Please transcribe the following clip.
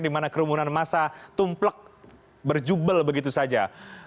di mana kerumunan masa tumplek berjubel begitu saja